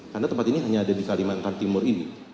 karena tempat ini hanya ada di kalimantan timur ini